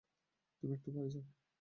তুমি একটু বাইরে যাও।